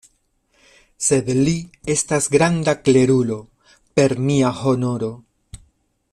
Sed li estas granda klerulo, per mia honoro!